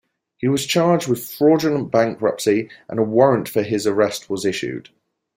He was charged with fraudulent bankruptcy and a warrant for his arrest was issued.